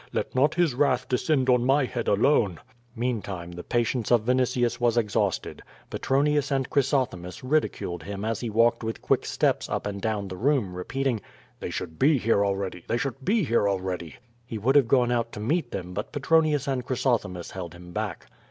Let not his wrath descend on my head alone/' Meantime the patience of Vinitius was exhausted. Petro nius and Chrysothemis ridiculed him as he walked with quick steps up and down the room, repeating: "They should be here already; they should be here already/' He would have gone out to meet them, but Petronius and Chrysothemis held him back.